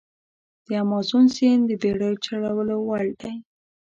د امازون سیند د بېړیو چلولو وړ دی.